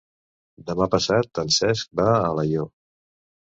Demà passat en Cesc va a Alaior.